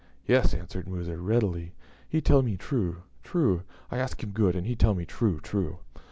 "Yes," answered Musa, readily; "he tell me true, true. I ask him good, and he tell me true, true."